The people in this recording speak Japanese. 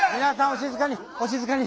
お静かにお静かに！